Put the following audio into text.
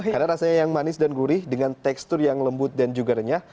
karena rasanya yang manis dan gurih dengan tekstur yang lembut dan jugernya